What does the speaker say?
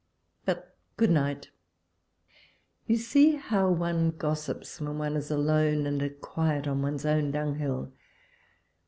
But, good night ! you see how one gossips, when one is alone, and at quiet on one's own dunghill!